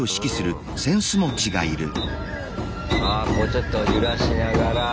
ちょっと揺らしながら。